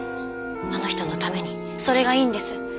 あの人のためにそれがいいんです。